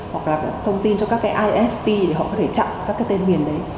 hoặc là thông tin cho các isp để họ có thể chặn các tên miền đấy